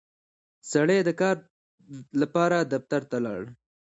سړی د کار لپاره دفتر ته ولاړ